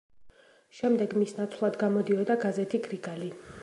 შემდეგ მის ნაცვლად გამოდიოდა გაზეთი „გრიგალი“.